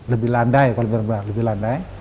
lebih landai kalau lebih landai